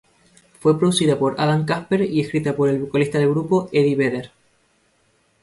Fue producida por Adam Kasper y escrita por el vocalista del grupo Eddie Vedder.